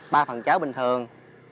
ba phần cháo bình thường